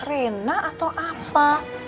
rena atau apa